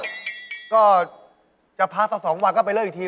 แล้วก็จะพักต่อ๒วันก็ไปเลิกอีกที